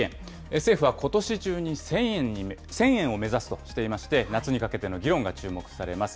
政府はことし中に１０００円を目指すとしていまして、夏にかけての議論が注目されます。